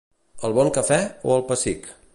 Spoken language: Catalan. El Bon Cafè o el Pessic?